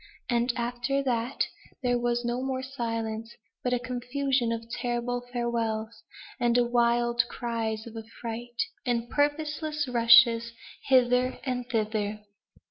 And after that there was no more silence; but a confusion of terrible farewells, and wild cries of affright, and purposeless rushes hither and thither.